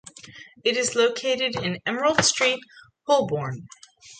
It is located in Emerald Street, Holborn.